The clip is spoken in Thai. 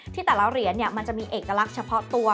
แต่ละเหรียญมันจะมีเอกลักษณ์เฉพาะตัว